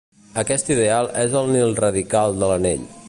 Aquest ideal és el nilradical de l'anell.